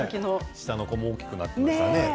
下の子も大きくなっていましたね。